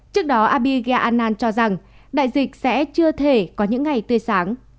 trước đó abhigya anand cho rằng đại dịch sẽ chưa thể có những ngày tươi sáng